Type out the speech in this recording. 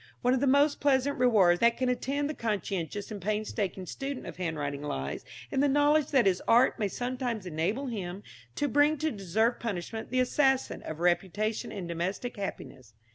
One of the most pleasant rewards that can attend the conscientious and painstaking student of handwriting lies in the knowledge that his art may sometimes enable him to bring to deserved punishment the assassin of reputation and domestic happiness.